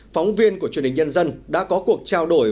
phóng viên của truyền hình nhân dân đã có cuộc trao đổi